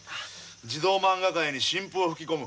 児童まんが界に新風を吹き込む。